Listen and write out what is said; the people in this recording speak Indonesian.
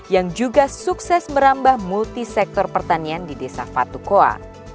yang juga sukses merambah multisektor pertanian di desa fatu koa